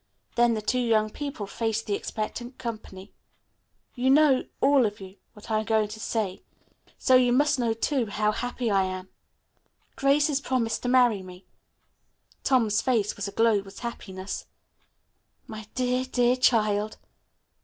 Then the two young people faced the expectant company. "You know, all of you, what I am going to say, so you must know, too, how happy I am. Grace has promised to marry me." Tom's face was aglow with happiness. "My dear, dear child."